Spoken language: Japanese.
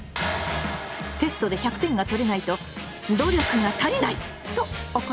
テストで１００点が取れないと「努力が足りない！」と怒ったそうです。